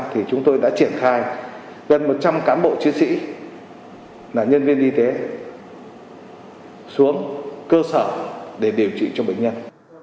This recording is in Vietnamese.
thì chúng tôi đã triển khai gần một trăm linh cán bộ chiến sĩ là nhân viên y tế xuống cơ sở để điều trị cho bệnh nhân